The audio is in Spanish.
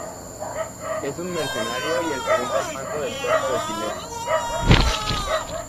Es un mercenario y el segundo al mando del Cuerpo de Gillett.